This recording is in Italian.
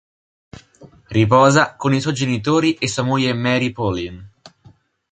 Riposa con i suoi genitori e sua moglie Marie-Pauline.